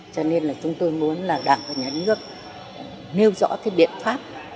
cho nên là chúng tôi muốn là đảng và nhà nước nêu rõ cái biện pháp